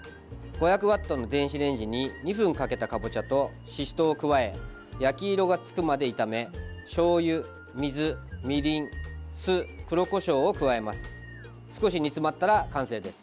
５００ワットの電子レンジに２分間かけたかぼちゃとししとうを加え焼き色がつくまで炒めしょうゆ、水、みりん、酢黒こしょうを加えます。